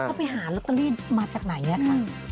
แล้วก็ไปหารัตเตอรี่มาจากไหนเนี่ย